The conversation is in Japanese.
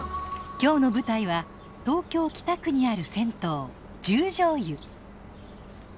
今日の舞台は東京・北区にある銭湯十條湯。